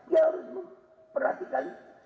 ya harus diperhatikan